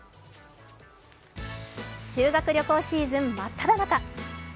修学旅行シーズン真っただ中。